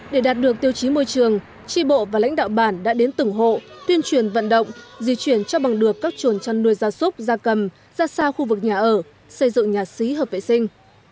để đạt được tiêu chí môi trường tri bộ và lãnh đạo bản đã đến từng hộ tuyên truyền vận động di chuyển cho bằng được các chuồn chăn nuôi gia súc gia cầm ra xa khu vực nhà ở xây dựng nhà xí hợp vệ sinh